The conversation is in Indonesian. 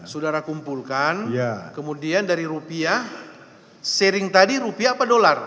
saudara kumpulkan kemudian dari rupiah sharing tadi rupiah apa dolar